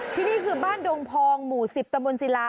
ที่นี่คือบ้านดงโพงหมู่สิบตบนสิรา